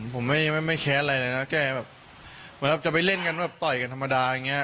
ผมไม่แค้นอะไรเลยนะแกแบบเหมือนแบบจะไปเล่นกันแบบต่อยกันธรรมดาอย่างนี้